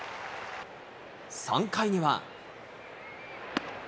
３回には。